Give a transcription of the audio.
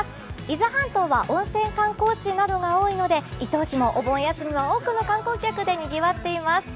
伊豆半島は温泉観光地などが多いので伊東市もお盆休みは多くの観光客でにぎわっています。